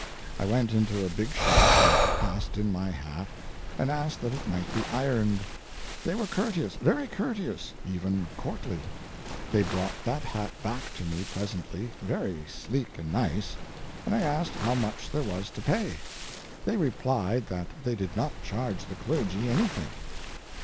I went into a big shop and passed in my hat, and asked that it might be ironed. They were courteous, very courteous, even courtly. They brought that hat back to me presently very sleek and nice, and I asked how much there was to pay. They replied that they did not charge the clergy anything.